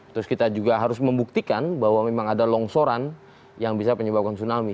terus kita juga harus membuktikan bahwa memang ada longsoran yang bisa menyebabkan tsunami